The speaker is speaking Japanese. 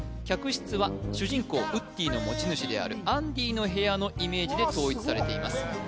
客室は主人公ウッディの持ち主であるアンディの部屋のイメージで統一されています